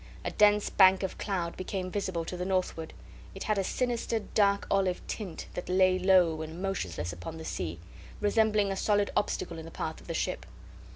A dense bank of cloud became visible to the northward; it had a sinister dark olive tint, and lay low and motionless upon the sea, resembling a solid obstacle in the path of the ship.